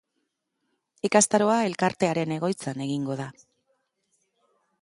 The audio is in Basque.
Ikastaroa elkartearen egoitzan egingo da.